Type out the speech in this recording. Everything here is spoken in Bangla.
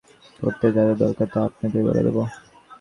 তারপর আমি উহা সর্বাঙ্গসম্পন্ন করতে যা যা দরকার, তা আপনাকে বলে দেব।